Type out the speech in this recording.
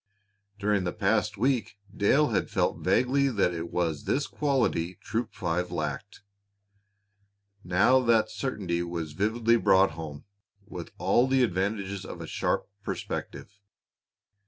During the past week Dale had felt vaguely that it was just this quality Troop Five lacked. Now the certainty was vividly brought home, with all the advantages of a sharp perspective.